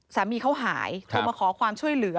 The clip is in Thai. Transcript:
สามีเขาหายโทรมาขอความช่วยเหลือ